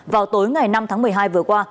vào tối ngày năm tháng một mươi hai vừa qua